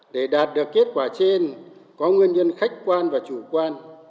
để đạt được kết quả trên có nguyên nhân khách quan và chủ quan